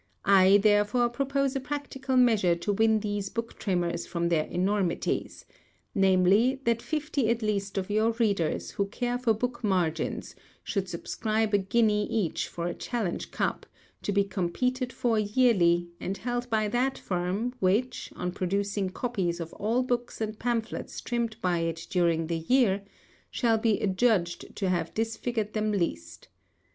I therefore propose a practical measure to win these book trimmers from their enormities; namely, that fifty at least of your readers, who care for book margins, should subscribe a guinea each for a challenge cup, to be competed for yearly, and held by that firm which, on producing copies of all books and pamphlets trimmed by it during the year, shall be adjudged to have disfigured them least.